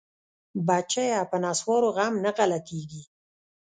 بچيه په نسوارو غم نه غلطيګي.